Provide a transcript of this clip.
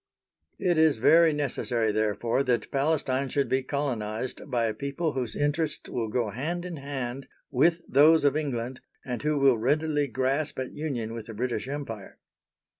It is very necessary, therefore, that Palestine should be colonised by a people whose interests will go hand in hand with those of England and who will readily grasp at union with the British Empire.